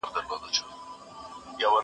زه مخکي انځور ليدلی و،